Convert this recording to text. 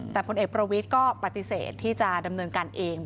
แต่พลเอกประวิทย์ก็ปฏิเสธที่จะดำเนินการเอง